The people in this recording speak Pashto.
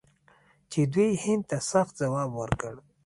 چې دوی هند ته سخت ځواب ورکړ.